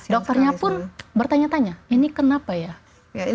dokternya pun bertanya tanya ini kenapa ya